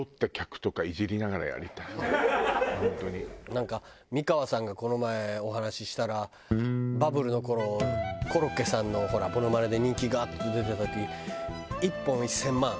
なんか美川さんがこの前お話ししたらバブルの頃コロッケさんのモノマネで人気ガーッと出た時１本１０００万あのステージ。